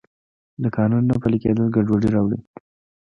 د قانون نه پلی کیدل ګډوډي راوړي.